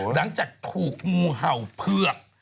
หลังจากถูกงูเห่าเผือก